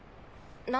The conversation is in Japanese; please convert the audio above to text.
何？